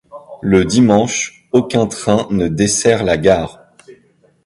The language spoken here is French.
Le dimanche, aucun train ne dessert la gare.